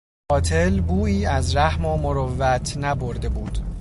قاتل بویی از رحم و مروت نبرده بود.